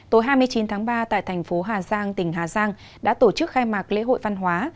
tối hai mươi chín tháng ba tại thành phố hà giang tỉnh hà giang đã tổ chức khai mạc lễ hội văn hóa